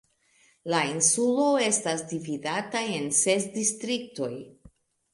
La insulo estas dividata en ses distriktoj.